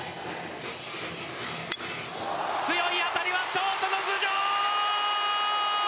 強い当たりはショートの頭上！